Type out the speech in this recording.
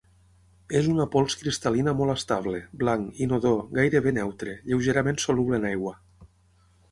És una pols cristal·lina molt estable, blanc, inodor, gairebé neutre, lleugerament soluble en aigua.